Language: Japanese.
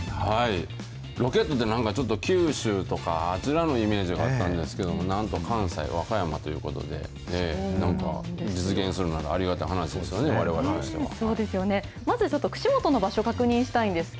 ロケットって、なんかちょっと九州とか、あちらのイメージがあったんですけど、なんと関西、和歌山ということで、なんか実現するなら、ありがたい話ですよね、われわれとしては。